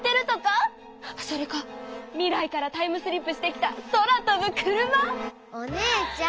それか未来からタイムスリップしてきた空飛ぶ車⁉お姉ちゃん